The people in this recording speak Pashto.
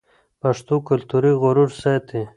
پښتو کلتوري غرور ساتي.